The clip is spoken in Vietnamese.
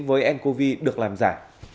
với ncov được làm giả